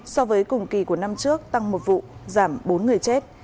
so với cùng kỳ của năm trước tăng một vụ giảm bốn người chết